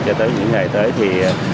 cho tới những ngày tới thì